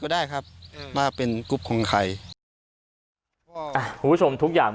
ได้ครับว่าเป็นกรุ๊ปของใครอ่ะคุณผู้ชมทุกอย่าง